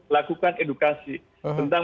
lakukan edukasi tentang